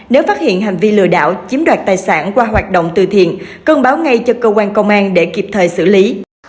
nếu phát hiện hành vi lừa đảo chiếm đoạt tài sản qua hoạt động từ thiện cần báo ngay cho cơ quan công an để kịp thời xử lý